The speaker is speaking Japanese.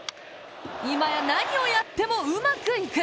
今や何をやってもうまくいく！